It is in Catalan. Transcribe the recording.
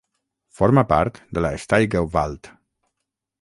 Forma part de la Steigerwald.